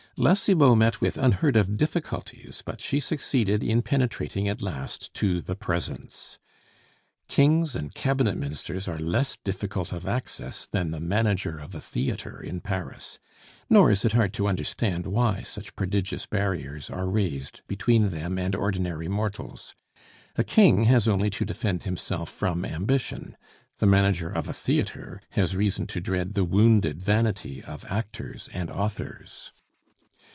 La Cibot met with unheard of difficulties, but she succeeded in penetrating at last to the presence. Kings and cabinet ministers are less difficult of access than the manager of a theatre in Paris; nor is it hard to understand why such prodigious barriers are raised between them and ordinary mortals: a king has only to defend himself from ambition; the manager of a theatre has reason to dread the wounded vanity of actors and authors.